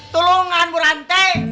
tolongan bu ranti